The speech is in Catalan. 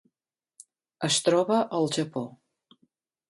Es troba al Japó.